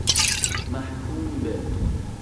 محکوم به